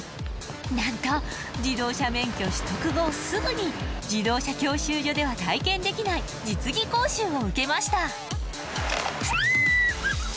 なんと自動車免許取得後すぐに自動車教習所では体験できない実技講習を受けました